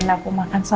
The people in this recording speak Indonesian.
tapi dia kamarnya